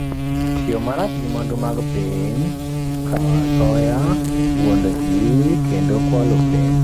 Tiyo marach gi mwandu mag piny, kawo asoya, wuondo ji, kendo kwalo penj